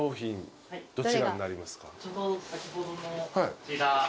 こちら。